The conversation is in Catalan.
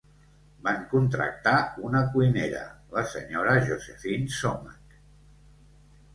Van contractar una cuinera, la Sra. Josephine Somach.